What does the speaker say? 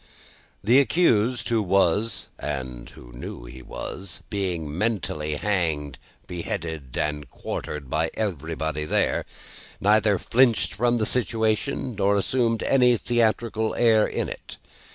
The accused, who was (and who knew he was) being mentally hanged, beheaded, and quartered, by everybody there, neither flinched from the situation, nor assumed any theatrical air in it.